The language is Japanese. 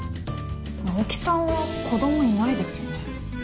大木さんは子供いないですよね？